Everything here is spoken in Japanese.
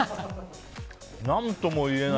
何とも言えない。